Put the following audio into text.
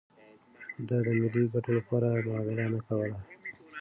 ده د ملي ګټو لپاره معامله نه کوله.